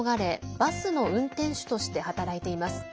バスの運転手として働いています。